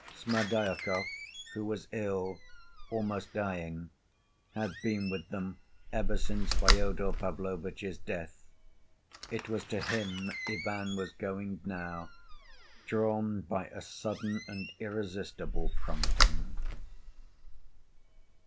Smerdyakov, who was ill—almost dying—had been with them ever since Fyodor Pavlovitch's death. It was to him Ivan was going now, drawn by a sudden and irresistible prompting.